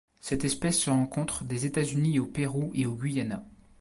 Cette espèce se rencontre des États-Unis au Pérou et au Guyana.